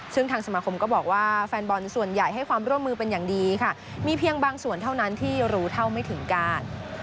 ซึ่งทางสมาคมก็บอกว่าแฟนบอลส่วนใหญ่ให้ความร่วมมือเป็นอย่างดีค่ะมีเพียงบางส่วนเท่านั้นที่รู้เท่าไม่ถึงการ